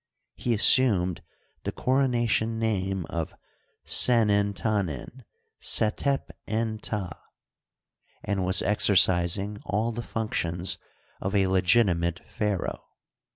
He assumed the corona tion name of Senert' Tanen Setep en Ptah, and was exer cising all the functions of a legitimate pharaoh.